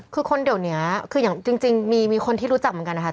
คือคนเดี๋ยวนี้คืออย่างจริงมีคนที่รู้จักเหมือนกันนะคะ